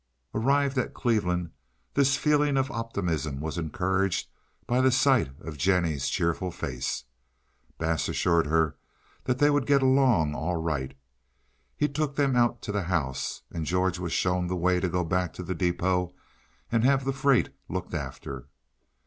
Arrived at Cleveland, this feeling of optimism was encouraged by the sight of Jennie's cheerful face. Bass assured her that they would get along all right. He took them out to the house, and George was shown the way to go back to the depôt and have the freight looked after.